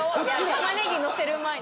玉ねぎのせる前に。